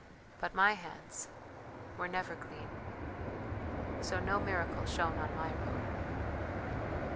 "But my hands ... were never clean ... so no miracle shone on my road.